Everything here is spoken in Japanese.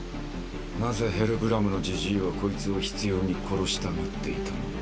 なぜヘルブラムのじじいはこいつを執拗に殺したがっていたのか。